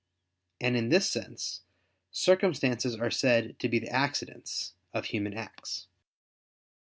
And in this sense circumstances are said to be the accidents of human acts.